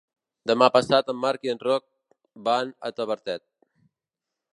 Demà passat en Marc i en Roc van a Tavertet.